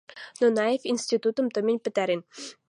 — Нонаев институтым тымень пӹтӓрен.